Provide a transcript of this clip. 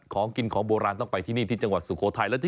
ของกินของโบราณต้องไปที่นี่ที่จังหวัดสุโขทัย